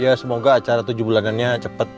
ya semoga acara tujuh bulanannya cepat